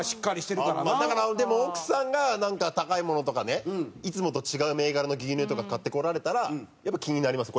でも奥さんが高いものとかねいつもと違う銘柄の牛乳とか買ってこられたらやっぱり気になります。